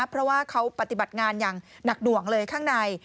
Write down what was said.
เพราะว่าเขาปฏิบัติงานอย่างหนักหน่วงเลยข้างใน